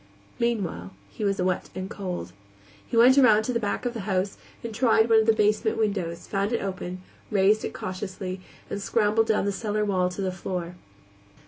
Meanwhile, he was wet and cold. He went around to the back of the house and tried one of the basement windows, found it open, raised it cautiously, and scrambled down the cellar wall to the floor.